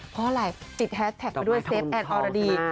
เพราะอะไรติดแฮสแท็กมาด้วยเซฟแอนอรดี